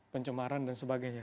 pencemaran dan sebagainya